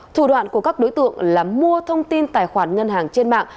thủ đoạn của các đối tượng là mua thông tin tài khoản ngân hàng trên mạng